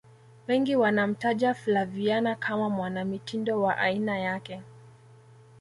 wengi wanamtaja flaviana kama mwanamitindo wa aina yake